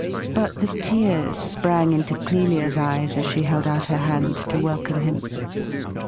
But the tears sprang into Clelia's eyes as she held out her hand to welcome him.